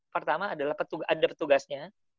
pertama adalah ada petugasnya